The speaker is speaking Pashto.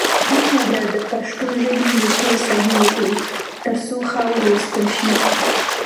هیله ده د پښتو ژبې لیکل صحیح وکړئ، تر څو ښه ولوستل شي.